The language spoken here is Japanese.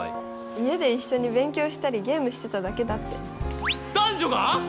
家で一緒に勉強したりゲームしてただけだって男女が！？